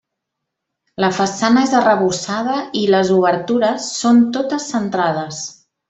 La façana és arrebossada i les obertures són totes centrades.